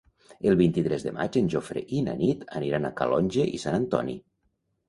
El vint-i-tres de maig en Jofre i na Nit aniran a Calonge i Sant Antoni.